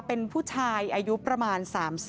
เป็นผู้ชายอายุประมาณ๓๐